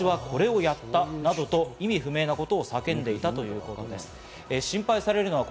だから私はこれをやったなどと意味不明なことを叫んでいたということです。